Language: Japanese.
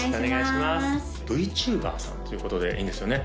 ＶＴｕｂｅｒさんということでいいんですよね？